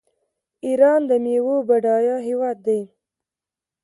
ایران د میوو بډایه هیواد دی.